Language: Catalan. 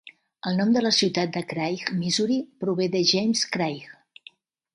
El nom de la ciutat de Craig, Missouri, prové de James Craig.